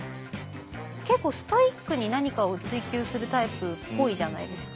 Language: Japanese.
結構ストイックに何かを追求するタイプっぽいじゃないですか。